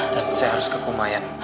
dan saya harus ke kumayan